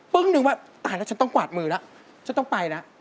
ึ้งนึงว่าตายแล้วฉันต้องกวาดมือแล้วฉันต้องไปแล้ว